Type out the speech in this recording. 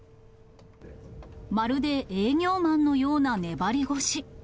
まるで営業マンのような粘り腰。